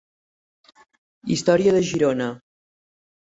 Història de Girona.